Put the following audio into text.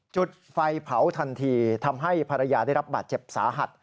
จุดไฟเผาทันทีทำให้ภรรยาได้รับบาดเจ็บสาหัส